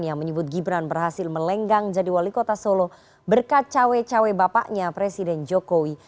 yang menyebut gibran berhasil melenggang jadi wali kota solo berkat cawe cawe bapaknya presiden jokowi